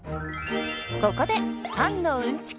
ここでパンのうんちく